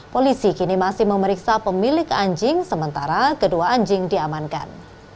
polisi kini masih memeriksa pemilik anjing sementara kedua anjing diamankan